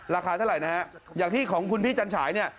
ราคาเท่าไหร่นะฮะอย่างที่ของคุณพี่จันฉายเนี่ย